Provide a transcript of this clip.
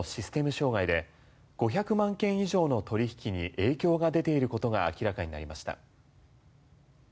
障害で５００万件以上の取引に影響が出ていることが明らかになりました。